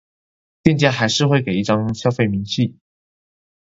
店家還是會給一張消費明細